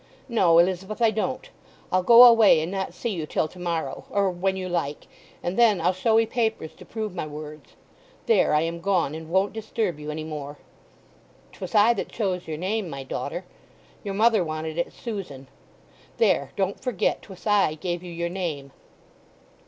"No, Elizabeth, I don't. I'll go away and not see you till to morrow, or when you like, and then I'll show 'ee papers to prove my words. There, I am gone, and won't disturb you any more.... 'Twas I that chose your name, my daughter; your mother wanted it Susan. There, don't forget 'twas I gave you your name!"